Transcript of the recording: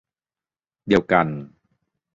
เดียวกัน